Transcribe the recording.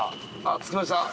着きました。